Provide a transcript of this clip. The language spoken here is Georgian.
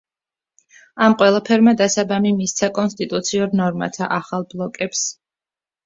ამ ყველაფერმა დასაბამი მისცა კონსტიტუციურ ნორმათა ახალ ბლოკებს.